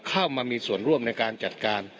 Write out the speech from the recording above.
เข้ามามีส่วนร่วมในการจัดการ